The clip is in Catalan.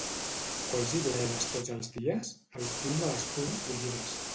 Cols i bledes tots els dies? Al cul me les fums bullides.